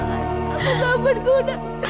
aku mau berguna